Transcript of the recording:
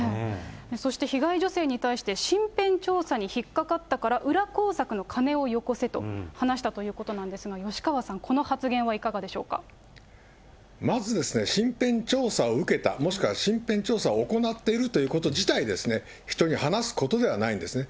そして被害女性に対して、身辺調査に引っ掛かったから、裏工作の金をよこせと話したということなんですが、吉川さん、まずですね、身辺調査を受けた、もしくは身辺調査を行っているということ自体ですね、人に話すことではないんですね。